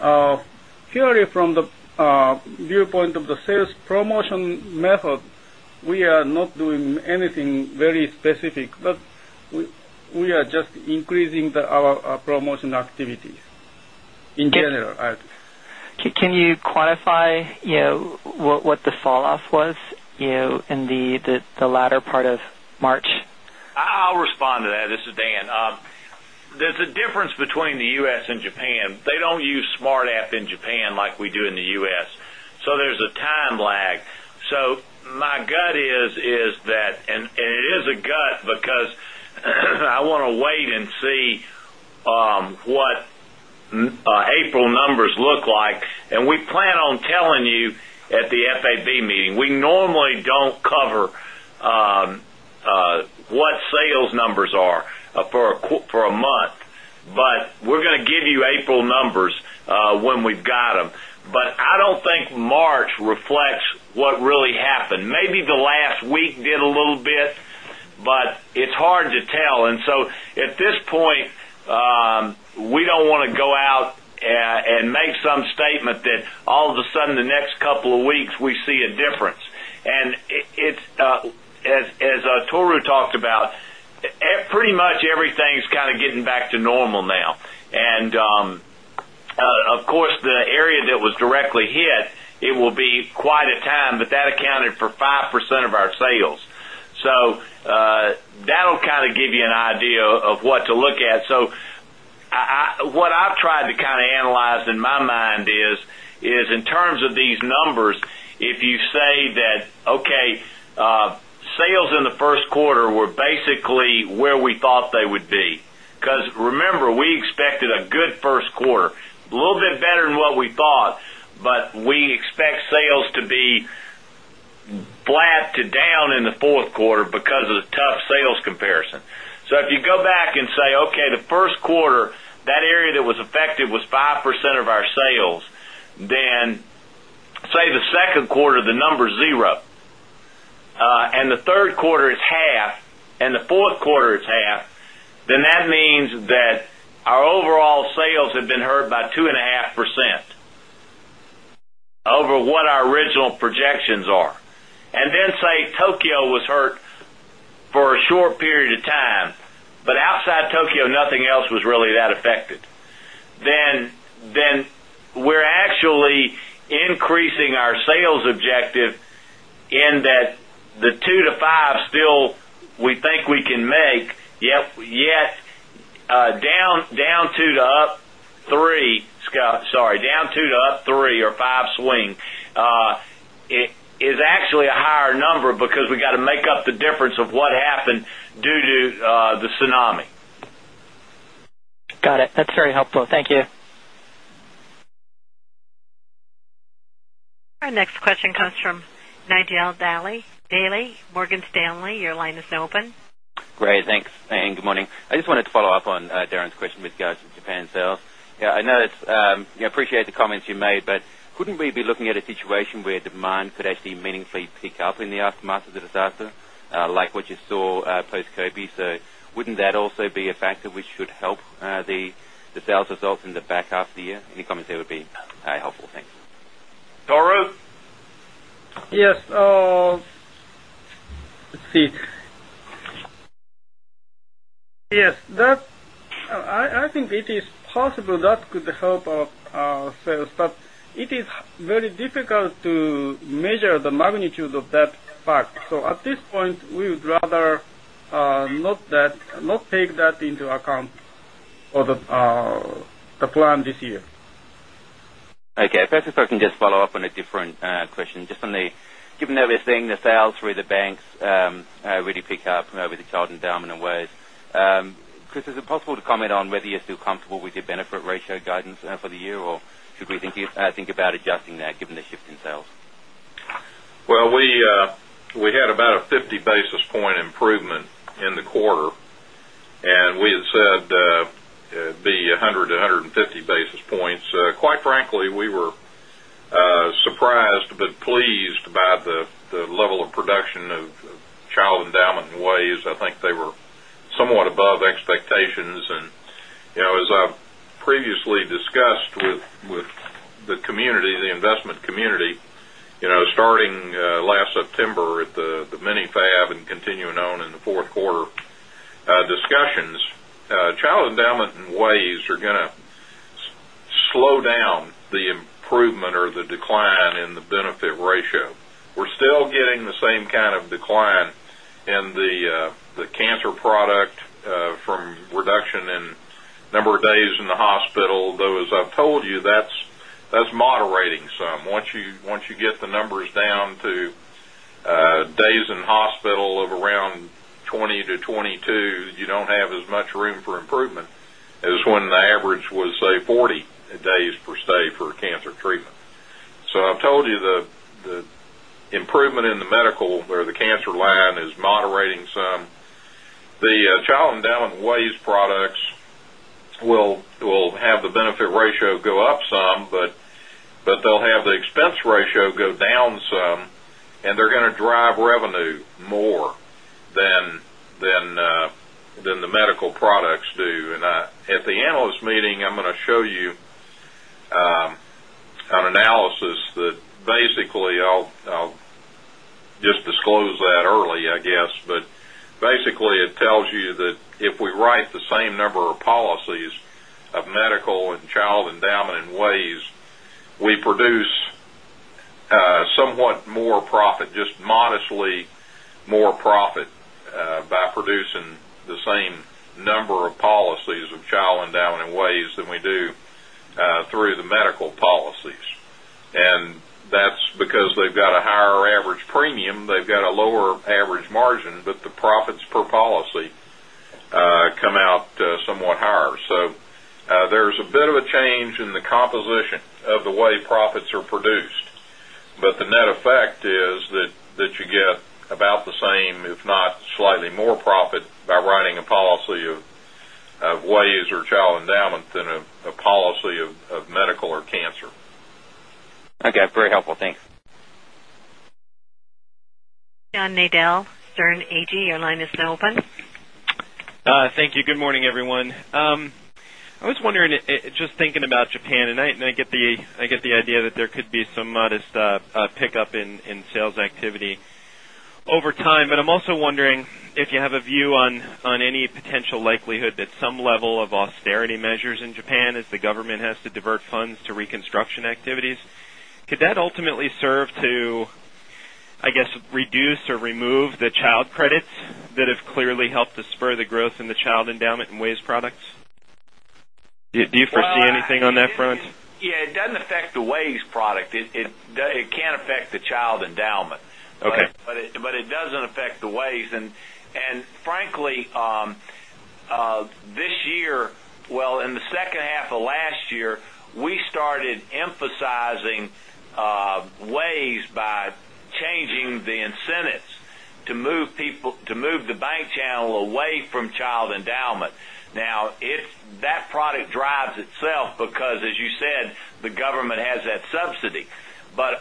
Speaker 11: purely from the viewpoint of the sales promotion method, we are not doing anything very specific, but we are just increasing our promotion activities. In general.
Speaker 10: Can you quantify what the falloff was in the latter part of March?
Speaker 3: I'll respond to that. This is Dan. There's a difference between the U.S. and Japan. They don't use SmartApp in Japan like we do in the U.S., so there's a time lag. My gut is that, and it is a gut, because I want to wait and see what April numbers look like. We plan on telling you at the FAB meeting. We normally don't cover what sales numbers are for a month, but we're going to give you April numbers when we've got them. I don't think March reflects what really happened. Maybe the last week did a little bit, but it's hard to tell. At this point, we don't want to go out and make some statement that all of a sudden, the next couple of weeks, we see a difference. As Tohru talked about, pretty much everything's kind of getting back to normal now. Of course, the area that was directly hit, it will be quite a time, but that accounted for 5% of our sales. That'll kind of give you an idea of what to look at. What I've tried to kind of analyze in my mind is, in terms of these numbers, if you say that, okay sales in the first quarter were basically where we thought they would be. Remember, we expected a good first quarter, a little bit better than what we thought, but we expect sales to be flat to down in the fourth quarter because of the tough sales comparison. If you go back and say, okay, the first quarter, that area that was affected was 5% of our sales, then say the second quarter, the number is zero, and the third quarter is half, and the fourth quarter is half, then that means that our overall sales have been hurt by 2.5% over what our original projections are. Then say Tokyo was hurt for a short period of time, but outside Tokyo, nothing else was really that affected. We're actually increasing our sales objective in that the two to five still we think we can make, yet down two to up three or five swing, is actually a higher number because we've got to make up the difference of what happened due to the tsunami.
Speaker 10: Got it. That's very helpful. Thank you.
Speaker 1: Our next question comes from Nigel Dally, Morgan Stanley. Your line is open.
Speaker 12: Great. Thanks. Good morning. I just wanted to follow up on Darren's question with regards to Japan sales. I appreciate the comments you made, couldn't we be looking at a situation where demand could actually meaningfully pick up in the aftermath of the disaster, like what you saw post-Kobe? Wouldn't that also be a factor which should help the sales results in the back half of the year? Any comments there would be helpful. Thanks.
Speaker 3: Tohru?
Speaker 11: Yes. Let's see. Yes, I think it is possible that could help our sales, it is very difficult to measure the magnitude of that fact. At this point, we would rather not take that into account for the plan this year.
Speaker 12: Okay. Perhaps if I can just follow up on a different question, given that we're seeing the sales through the banks really pick up with the child endowment in WAYS, Kriss, is it possible to comment on whether you feel comfortable with your benefit ratio guidance for the year, or should we think about adjusting that given the shift in sales?
Speaker 5: Well, we had about a 50 basis point improvement in the quarter, and we had said it'd be 100 to 150 basis points. Quite frankly, we were surprised but pleased by the level of production of child endowment in WAYS. I think they were somewhat above expectations. As I've previously discussed with the community, the investment community, starting last September at the Mini FAB and continuing on in the fourth quarter discussions, child endowment and WAYS are going to slow down the improvement or the decline in the benefit ratio. We're still getting the same kind of decline in the cancer product from reduction in number of days in the hospital, though as I've told you, that's moderating some.
Speaker 3: Once you get the numbers down to days in hospital of around 20 to 22, you don't have as much room for improvement as when the average was, say, 40 days per stay for a cancer treatment. I've told you the improvement in the medical or the cancer line is moderating some. The child endowment and WAYS products will have the benefit ratio go up some, but they'll have the expense ratio go down some, and they're going to drive revenue more than the medical products do. At the analyst meeting, I'm going to show you an analysis that basically.
Speaker 5: Disclose that early, I guess. Basically, it tells you that if we write the same number of policies of medical and child endowment and WAYS, we produce somewhat more profit, just modestly more profit, by producing the same number of policies of child endowment and WAYS than we do through the medical policies. That's because they've got a higher average premium. They've got a lower average margin, but the profits per policy come out somewhat higher. There's a bit of a change in the composition of the way profits are produced. The net effect is that you get about the same, if not slightly more profit by writing a policy of WAYS or child endowment than a policy of medical or cancer.
Speaker 12: Okay. Very helpful. Thanks.
Speaker 2: John Nadel, Sterne Agee, your line is now open.
Speaker 13: Thank you. Good morning, everyone. I was wondering, just thinking about Japan, and I get the idea that there could be some modest pickup in sales activity over time. I'm also wondering if you have a view on any potential likelihood that some level of austerity measures in Japan as the government has to divert funds to reconstruction activities. Could that ultimately serve to, I guess, reduce or remove the child credits that have clearly helped to spur the growth in the child endowment and WAYS products? Do you foresee anything on that front?
Speaker 5: Yeah, it doesn't affect the WAYS product. It can affect the child endowment.
Speaker 13: Okay.
Speaker 5: It doesn't affect the WAYS. Frankly, this year, in the second half of last year, we started emphasizing WAYS by changing the incentives to move the bank channel away from child endowment. That product drives itself because, as you said, the government has that subsidy.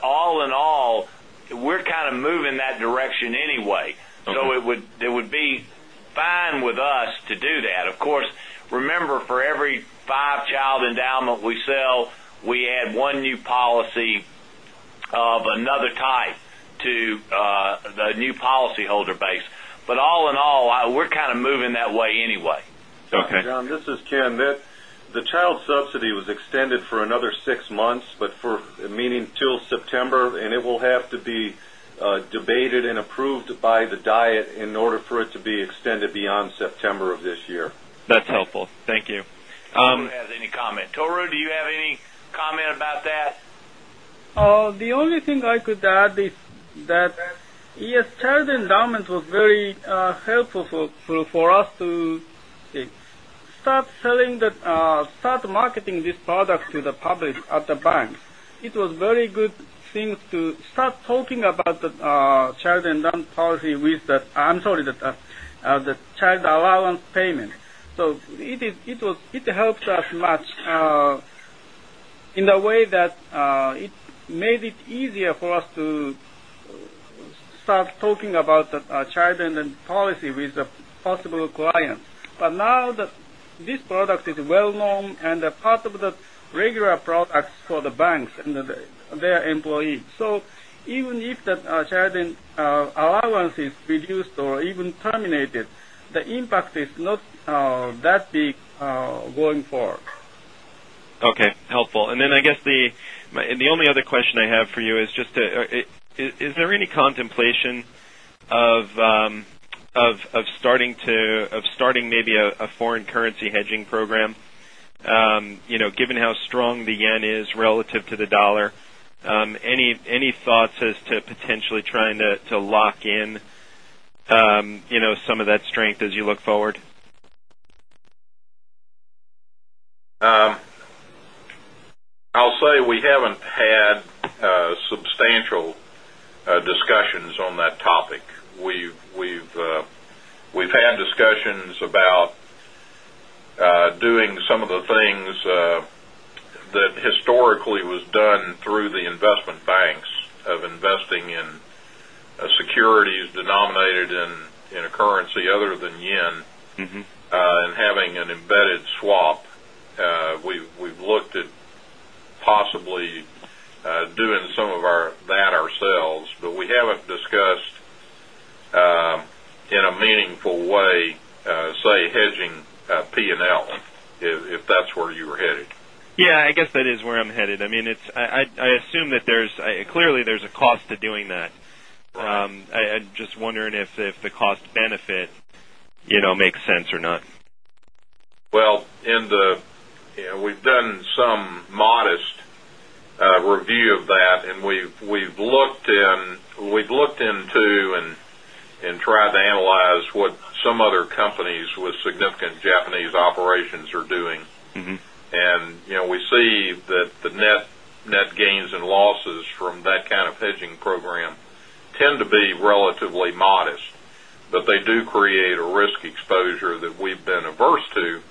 Speaker 5: All in all, we're kind of moving that direction anyway.
Speaker 13: Okay.
Speaker 5: It would be fine with us to do that. Of course, remember, for every five child endowment we sell, we add one new policy of another type to the new policyholder base. All in all, we're kind of moving that way anyway.
Speaker 13: Okay.
Speaker 6: John, this is Ken. The child subsidy was extended for another six months, meaning till September, and it will have to be debated and approved by the Diet in order for it to be extended beyond September of this year.
Speaker 13: That's helpful. Thank you.
Speaker 5: See if Tohru has any comment. Tohru, do you have any comment about that?
Speaker 11: The only thing I could add is that, yes, child endowment was very helpful for us to start marketing this product to the public at the bank. It was very good thing to start talking about the child endowment policy with the child allowance payment. It helped us much in the way that it made it easier for us to start talking about the child endowment policy with the possible clients. Now that this product is well-known and a part of the regular products for the banks and their employees. Even if the child allowance is reduced or even terminated, the impact is not that big going forward.
Speaker 13: Okay. Helpful. I guess the only other question I have for you is just, is there any contemplation of starting maybe a foreign currency hedging program? Given how strong the yen is relative to the dollar, any thoughts as to potentially trying to lock in some of that strength as you look forward?
Speaker 5: I'll say we haven't had substantial discussions on that topic. We've had discussions about doing some of the things that historically was done through the investment banks of investing in securities denominated in a currency other than yen- Having an embedded swap. We've looked at possibly doing some of that ourselves, but we haven't discussed, in a meaningful way, say hedging P&L, if that's where you were headed.
Speaker 13: Yeah, I guess that is where I'm headed. I assume that clearly there's a cost to doing that.
Speaker 5: Right.
Speaker 13: I'm just wondering if the cost benefit makes sense or not.
Speaker 5: Well, we've done some modest review of that, we've looked into and tried to analyze what some other companies with significant Japanese operations are doing. We see that the net gains and losses from that kind of hedging program tend to be relatively modest, but they do create a risk exposure that we've been averse to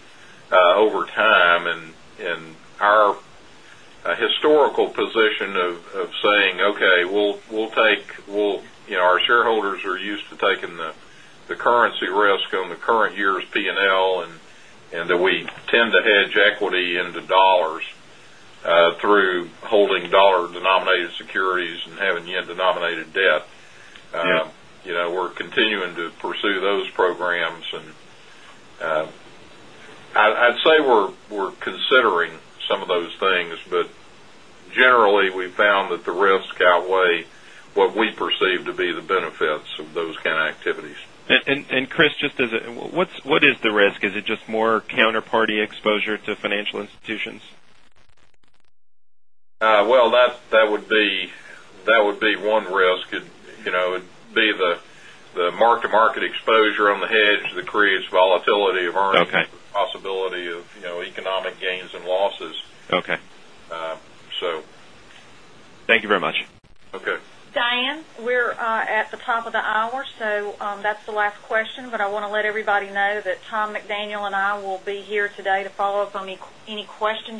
Speaker 5: over time, and our historical position of saying, "Okay, our shareholders are used to taking the currency risk on the current year's P&L," and that we tend to hedge equity into dollars through holding dollar-denominated securities and having Yen-denominated debt.
Speaker 13: Yeah.
Speaker 5: We're continuing to pursue those programs, and I'd say we're considering some of those things, but generally, we found that the risks outweigh what we perceive to be the benefits of those kind of activities.
Speaker 13: Kriss, what is the risk? Is it just more counterparty exposure to financial institutions?
Speaker 5: Well, that would be one risk. It'd be the mark-to-market exposure on the hedge that creates volatility of earnings.
Speaker 13: Okay.
Speaker 5: Possibility of economic gains and losses.
Speaker 13: Okay.
Speaker 5: So.
Speaker 13: Thank you very much.
Speaker 5: Okay.
Speaker 2: Diane, we're at the top of the hour, so that's the last question, but I want to let everybody know that Thomas McDaniel and I will be here today to follow up on any questions.